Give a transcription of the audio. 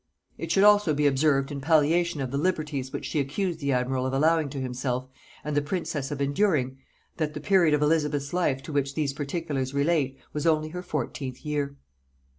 It should also be observed in palliation of the liberties which she accused the admiral of allowing to himself, and the princess of enduring, that the period of Elizabeth's life to which these particulars relate was only her fourteenth year.